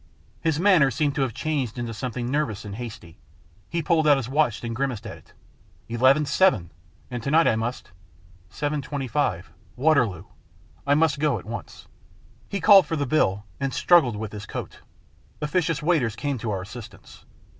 His manner seemed to have changed into something nervous and hasty. He pulled out his watch and grimaced at it. " Eleven seven ! And to night I must Seven twenty five. Waterloo ! I must go at once." He called for the bill, and struggled with his coat. Officious waiters came to our assistance.